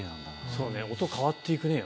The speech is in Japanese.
そうね音変わって行くね。